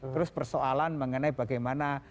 terus persoalan mengenai bagaimana